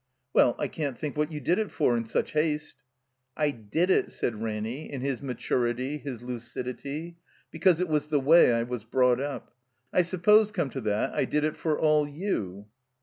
"Well, I can't think what you did it for — in such haste." I did it," said Ranny, in his maturity, his lucidity, "because it was the way I was brought up. I sup ix>se, come to that, I did it for all you."